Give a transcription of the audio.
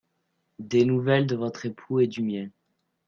Des nouvelles de votre époux et du mien.